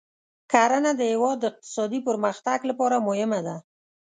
کرنه د هېواد د اقتصادي پرمختګ لپاره مهمه ده.